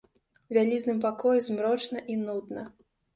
У вялізным пакоі змрочна і нудна.